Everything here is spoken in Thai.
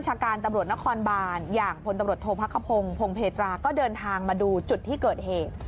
ชาการตำรวจนครบานอย่างพลตำรวจโทษพักขพงศ์พงเพตราก็เดินทางมาดูจุดที่เกิดเหตุ